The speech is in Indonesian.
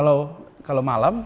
dan kalau malam